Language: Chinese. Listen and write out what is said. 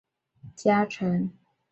后北条氏家臣。